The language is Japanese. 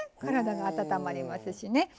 体が温まりますしね。